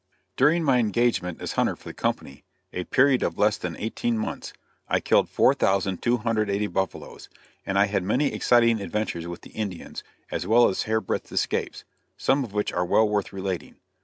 During my engagement as hunter for the company a period of less than eighteen mouths I killed 4,280 buffaloes; and I had many exciting adventures with the Indians, as well as hair breadth escapes, some of which are well worth relating.